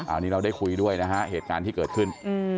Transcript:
อันนี้เราได้คุยด้วยนะฮะเหตุการณ์ที่เกิดขึ้น